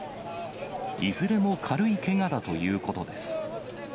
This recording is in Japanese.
いずれも軽いけがだということです。